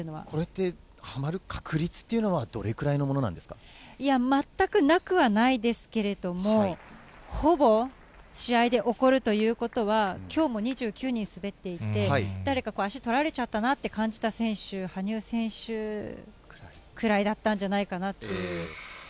これってはまる確率っていうのは、どれくらいのものなんですいや、全くなくはないですけれども、ほぼ、試合で起こるということは、きょうも２９人滑っていて、誰か足取られちゃったなって感じた選手、羽生選手くらいだったんじゃないかなっていう。